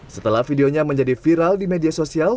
setelah videonya menjadi viral di media sosial